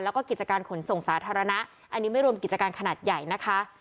แล้วก็กิจการขนส่งสาธารณะอันนี้ไม่รวมกิจการขนาดใหญ่นะคะ